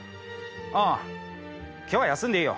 ああ今日は休んでいいよ。